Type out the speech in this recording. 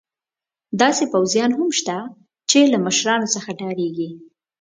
داسې پوځیان هم شته چې له مشرانو څخه ډارېږي.